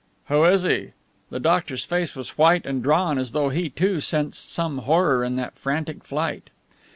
"Who is he?" The doctor's face was white and drawn as though he, too, sensed some horror in that frantic flight.